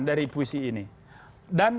dari puisi ini dan